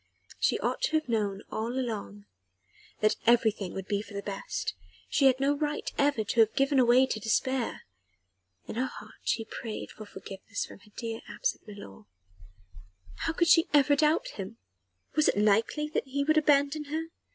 She ought to have known all along that everything would be for the best: she had no right ever to have given way to despair. In her heart she prayed for forgiveness from her dear absent milor. How could she ever doubt him? Was it likely that he would abandon her?